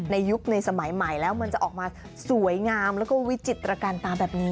ยุคในสมัยใหม่แล้วมันจะออกมาสวยงามแล้วก็วิจิตรการตาแบบนี้